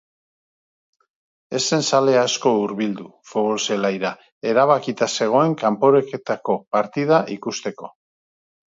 Ez zen zale asko hurbildu futbol-zelaira erabakita zegoen kanporaketako partida ikusteko.